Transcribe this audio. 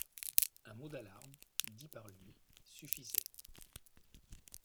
Un mot d’alarme dit par lui suffisait.